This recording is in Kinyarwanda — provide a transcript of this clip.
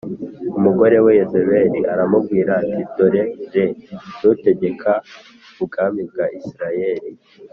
Umugore we Yezebeli aramubwira ati “Dorere, ntutegeka ubwami bwa Isirayeli?